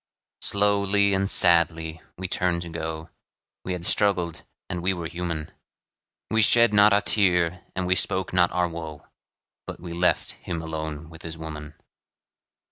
Slowly and sadly we turned to go, We had struggled, and we were human; We shed not a tear, and we spoke not our woe, But we left him alone with his woman.